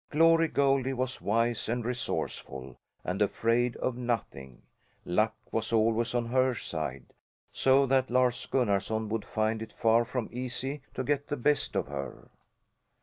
Glory Goldie was wise and resourceful, and afraid of nothing. Luck was always on her side, so that Lars Gunnarson would find it far from easy to get the best of her!